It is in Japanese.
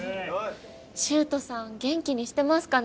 柊人さん元気にしてますかね？